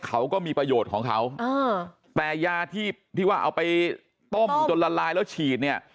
เขาก็มีประโยชน์ของเขาแต่ยาที่ที่ว่าเอาไปต้มจนละลายแล้วฉีดเนี่ย